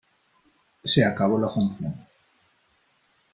Se acabó la función .